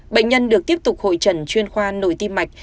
bệnh nhân được tiếp tục hội trần chuyên khoa nội tim mạch